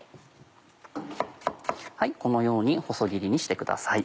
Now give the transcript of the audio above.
このように細切りにしてください。